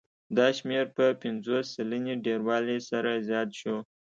دا شمېر په پنځوس سلنې ډېروالي سره زیات شو